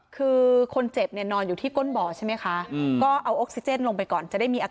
ก็เอาออกซิเจนลงไปที่ก้นบ่อใช่มั้ยคะก็เอาออกซิเจนลงไปที่ก้นบ่อใช่มั้ยคะ